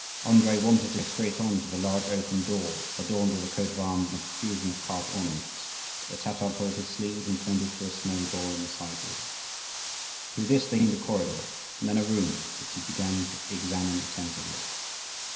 Andrii wanted to go straight on to the large oaken door adorned with a coat of arms and a profusion of carved ornaments, but the Tatar pulled his sleeve and pointed to a small door in the side wall. Through this they gained a corridor, and then a room, which he began to examine attentively.